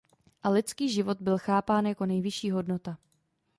A lidský život byl chápán jako nejvyšší hodnota.